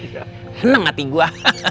seneng hati gue